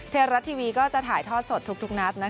ไทยรัฐทีวีก็จะถ่ายทอดสดทุกนัด